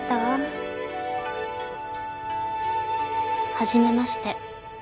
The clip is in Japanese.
はじめまして。